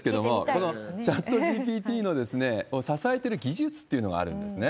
このチャットＧＰＴを支えてる技術っていうのがあるんですね。